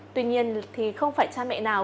tuy nhiên thì không phải cha mẹ nào